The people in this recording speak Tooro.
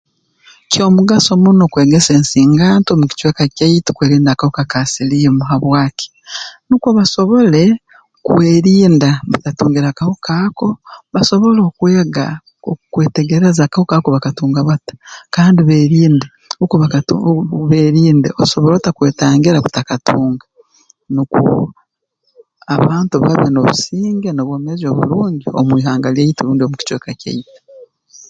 Ky'omugaso muno kwegesa ensinganto mu kicweka kyaitu kwerinda akahuka ka siliimu habwaki nukwo basobole kwerinda batatungire akahuka ako basobole okwega okwetegereza akahuka ako bakatunga bata kandi berinde oku bakatu berinde osobora ota kwetangira okutakatunga nukwo abantu babe n'obusinge n'obwomeezi oburungi omu ihanga lyaitu rundi omu kicweka kyaitu